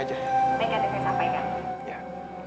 baik ada yang sampai kan